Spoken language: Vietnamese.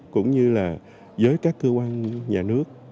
cũng như với các cơ quan nhà nước